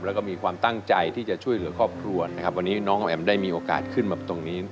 แล้วก็มีความตั้งใจที่จะช่วยเหลือครอบครัวนะครับวันนี้น้องแอ๋มได้มีโอกาสขึ้นมาตรงนี้